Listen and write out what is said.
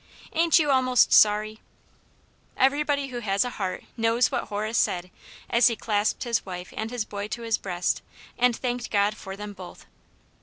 Ain't you almost sorry ?" Everybody who has a heart knows what Horace said, as he clasped his wife and his boy to his breast, and thanked God for them both.